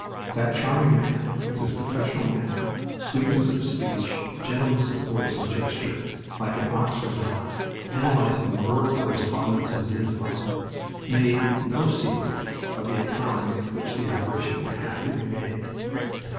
That charming man, with his professional manner, sweetness of speech, gentleness of voice and gesture, like an Oxford don analyzing the war correspondence of Xenophon, made no secret of the economy with which the operation would have to be made.